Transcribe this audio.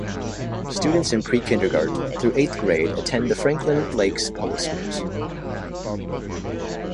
Students in pre-kindergarten through eighth grade attend the Franklin Lakes Public Schools.